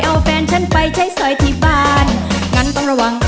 เอาแฟนฉันไปใช้ซอยที่บ้าน